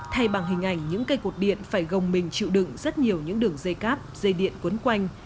thay bằng hình ảnh những cây cột điện phải gồng mình chịu đựng rất nhiều những đường dây cáp dây điện quấn quanh